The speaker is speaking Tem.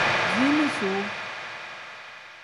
Ziini suu.